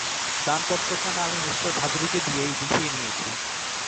দানপত্রখানা আমি মিস্টার ভাদুড়িকে দিয়েই লিখিয়ে নিয়েছি।